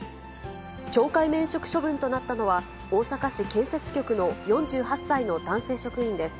懲戒免職処分となったのは、大阪市建設局の４８歳の男性職員です。